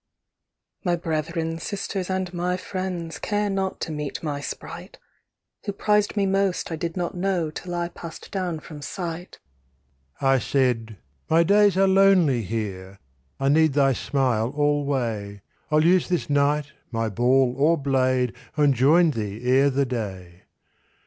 "My brethren, sisters, and my friends Care not to meet my sprite: Who prized me most I did not know Till I passed down from sight." I said: "My days are lonely here; I need thy smile alway: I'll use this night my ball or blade, And join thee ere the day."